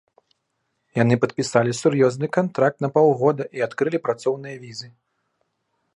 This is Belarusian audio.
Яны падпісалі сур'ёзны кантракт на паўгода і адкрылі працоўныя візы.